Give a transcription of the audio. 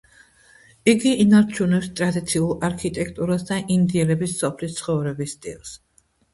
იგი ინარჩუნებს ტრადიციულ არქიტექტურას და ინდიელების სოფლის ცხოვრების სტილს.